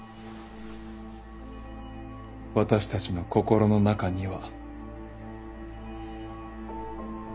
私たちの心の中には。